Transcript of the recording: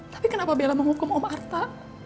tapi kenapa bella menghukum om arta